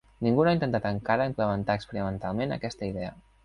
Ningú no ha intentat encara implementar experimentalment aquesta idea.